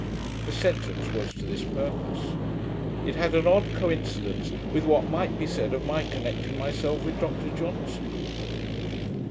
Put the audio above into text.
The sentence was to this purpose. It had an odd coincidence with what might be said of my connecting myself with Dr Johnson.